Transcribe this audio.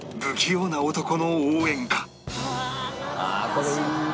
「これいいな」